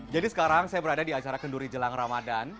jadi sekarang saya berada di acara kenduri jelang ramadan